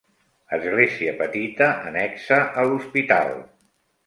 Església petita annexa a l'hospital.